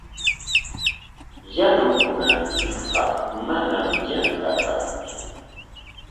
Yanukunanchikpaq manami yanta kantsu.